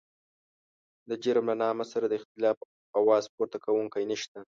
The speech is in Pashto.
د جرم له نامه سره د اختلاف اواز پورته کوونکی نشته.